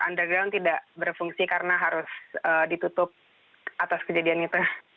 dan underground tidak berfungsi karena harus ditutup atas kejadian itu